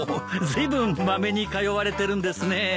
ずいぶんまめに通われてるんですね。